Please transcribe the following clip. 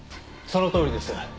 そのとおりです。